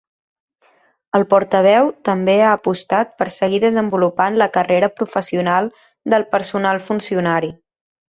El portaveu també ha apostat per “seguir desenvolupant la carrera professional del personal funcionari”.